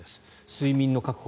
睡眠の確保